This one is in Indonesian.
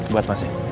buat mas ya